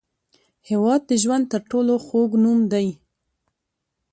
هېواد د ژوند تر ټولو خوږ نوم دی.